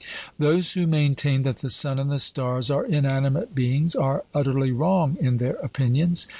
Those who maintain that the sun and the stars are inanimate beings are utterly wrong in their opinions.